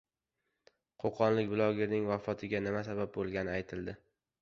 Qo‘qonlik blogerning vafotiga nima sabab bo‘lgani aytildi